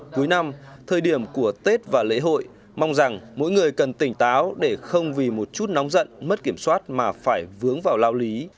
cuối năm thời điểm của tết và lễ hội mong rằng mỗi người cần tỉnh táo để không vì một chút nóng giận mất kiểm soát mà phải vướng vào lao lý